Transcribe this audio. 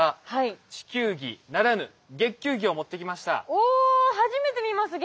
お初めて見ます月球儀。